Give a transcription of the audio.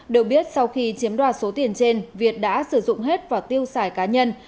được biết sau khi chiếm đoạt số tiền trên việt đã sử dụng hết vào tiêu xài cá nhân